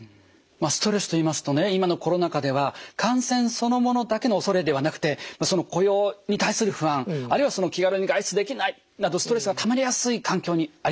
ストレスと言いますとね今のコロナ禍では感染そのものだけの恐れではなくて雇用に対する不安あるいは気軽に外出できないなどストレスがたまりやすい環境にありますよね。